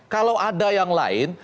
kalau ada yang lain